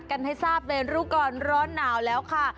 กันให้ทราบในรู้ก่อนร้อนหนาวแล้วค่ะ